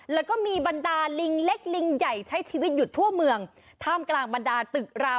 แล้วก็มีบรรดาลิงเล็กลิงใหญ่ใช้ชีวิตอยู่ทั่วเมืองท่ามกลางบรรดาตึกร้าว